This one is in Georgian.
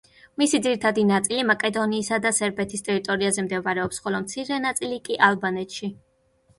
მისი ძირითადი ნაწილი მაკედონიისა და სერბეთის ტერიტორიებზე მდებარეობს, ხოლო მცირე ნაწილი კი ალბანეთში.